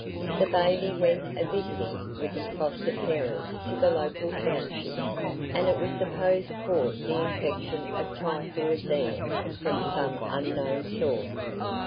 The baby went a visiting with his foster parents to the local township, and it was supposed caught the infection of typhoid there from some unknown source.